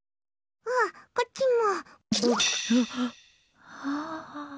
あ、こっちも。